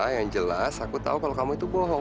yang jelas aku tahu kalau kamu itu bohong